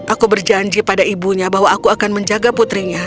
aku berjanji pada ibunya bahwa aku akan menjaga putrinya